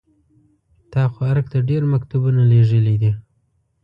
تا خو ارګ ته ډېر مکتوبونه لېږلي دي.